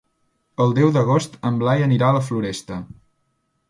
El deu d'agost en Blai anirà a la Floresta.